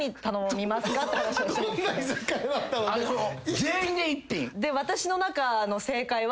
全員で１品？